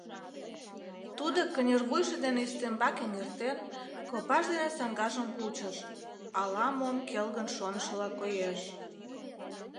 Тудо кынервуйжо дене ӱстембак эҥертен, копаж дене саҥгажым кучыш, ала-мом келгын шонышыла коеш.